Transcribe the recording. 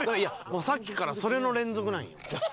もうさっきからそれの連続なんよ。